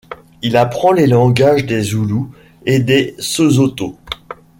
Il apprend les langues des Zoulous et des Sesothos.